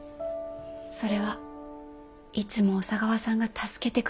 それはいつも小佐川さんが助けてくれるからですよ。